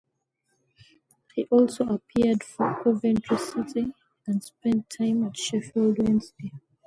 He also appeared for Coventry City and spent time at Sheffield Wednesday.